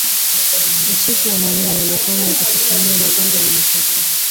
usiku wa manane yaliyofanywa kwa kutumia mapanga na mashoka